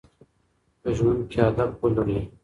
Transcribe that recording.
په ژوند کې هدف ولرئ.